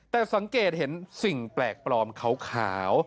แต่สังเกตเห็นสิ่งแปลกปลอมขาว